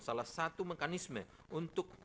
salah satu mekanisme untuk